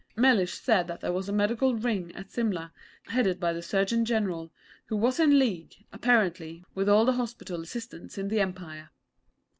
Mellish said that there was a Medical 'Ring' at Simla, headed by the Surgeon General, who was in league, apparently, with all the Hospital Assistants in the Empire.